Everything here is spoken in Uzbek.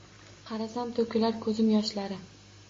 Qarasam, to‘kilar ko‘zim yoshlari.